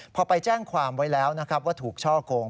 พอไปแจ้งความไว้แล้วนะครับว่าถูกช่อโกง